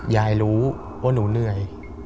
ยายรู้ว่าหนูเหนื่อย